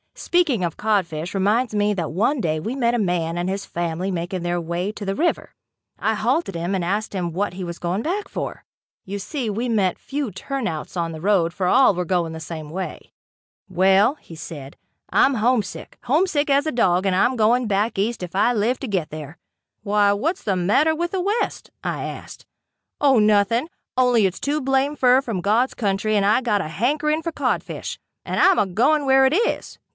Speaking of codfish, reminds me that one day we met a man and his family making their way to the river. I halted him and asked him what he was going back for. You see we met few "turnouts" on the road for all were going the same way. "Well," said he, "I'm homesick homesick as a dog and I'm going back east if I live to get there." "Why what's the matter with the west?" I asked. "Oh nothing, only it's too blamed fur from God's country and I got to hankering fer codfish and I'm agoin' where it is.